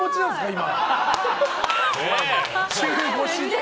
今。